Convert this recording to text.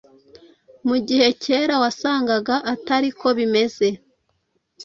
Mu gihe kera wasangaga atari ko bimeze